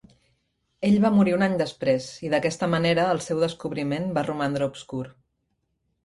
Ell va morir un any després i d'aquesta manera el seu descobriment va romandre obscur.